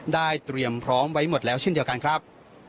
เตรียมพร้อมไว้หมดแล้วเช่นเดียวกันครับ